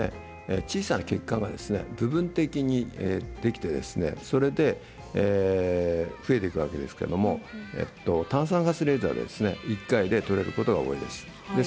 小さな血管が部分的にできてそれで増えていくわけですけれども炭酸ガスレーザーで１回で取れることが多いです。